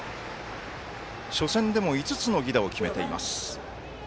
初戦でも５つの犠打を決めています。